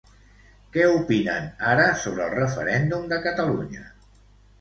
Què opinen ara sobre el referèndum de Catalunya?